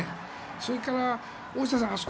それから、大下さん